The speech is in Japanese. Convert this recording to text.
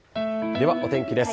では、お天気です。